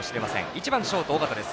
１番、ショート、緒方です。